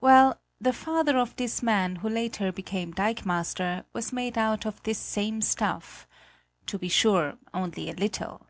Well, the father of this man who later became dikemaster was made out of this same stuff to be sure, only a little.